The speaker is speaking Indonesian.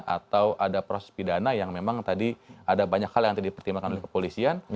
atau ada proses pidana yang memang tadi ada banyak hal yang tadi dipertimbangkan oleh kepolisian